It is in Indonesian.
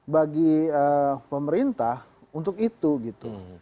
bagi pemerintah untuk itu gitu